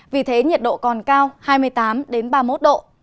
vì thế nhiệt độ còn cao hai mươi tám ba mươi một độ